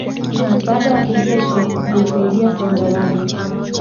msaada wa kijeshi kuisaidia Saudi Arabia